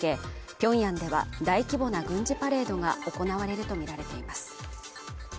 ピョンヤンでは大規模な軍事パレードが行われるとみられています